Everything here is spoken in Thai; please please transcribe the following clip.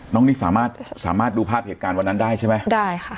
น้องนี่สามารถสามารถดูภาพเหตุการณ์วันนั้นได้ใช่ไหมได้ค่ะ